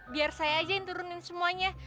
biar saya aja yang turunin semuanya